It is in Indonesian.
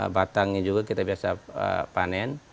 batangnya juga kita biasa panen